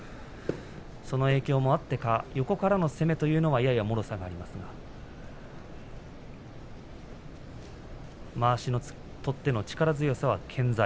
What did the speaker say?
その影響もあってか横からの攻めというのはやや、もろさがありますがまわしを取っての力強さは健在。